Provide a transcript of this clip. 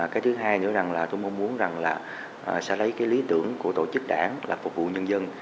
cái thứ hai nữa là tôi mong muốn rằng là sẽ lấy cái lý tưởng của tổ chức đảng là phục vụ nhân dân